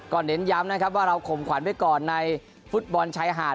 เน้นย้ำนะครับว่าเราข่มขวัญไว้ก่อนในฟุตบอลชายหาด